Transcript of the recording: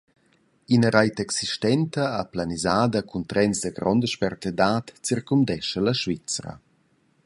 Ina reit existenta e planisada cun trens da gronda spertadad circumdescha la Svizra.